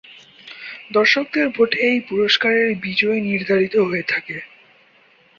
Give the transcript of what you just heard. দর্শকদের ভোটে এই পুরস্কারের বিজয়ী নির্ধারিত হয়ে থাকে।